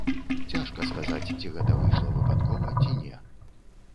Цяжка сказаць, ці гэта выйшла выпадкова, ці не.